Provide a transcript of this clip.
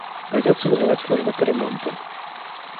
Придётся вызывать службу по ремонту.